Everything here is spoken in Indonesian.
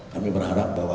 kami berharap bahwa